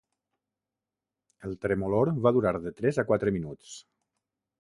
El tremolor va durar de tres a quatre minuts.